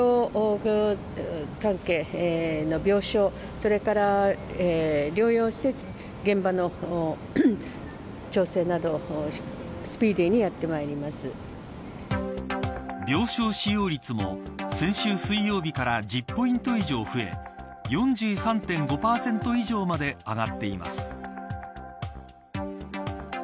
病床使用率も先週水曜日から１０ポイント以上増え４３．５％以上まで上がっています。